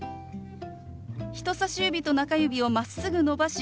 人さし指と中指をまっすぐ伸ばし